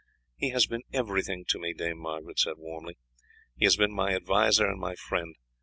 "He has been everything to me," Dame Margaret said warmly; "he has been my adviser and my friend.